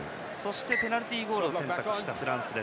ペナルティーゴールを選択したフランス。